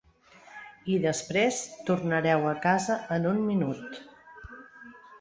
I després tornareu a casa en un minut.